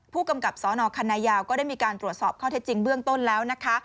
ผู้กำกับสนคันนายาวก็ได้มีการตรวจสอบข้อเท็จจริงเบื้องต้นแล้วนะคะ